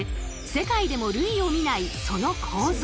世界でも類を見ないその構造。